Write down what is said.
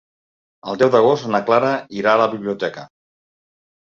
El deu d'agost na Clara irà a la biblioteca.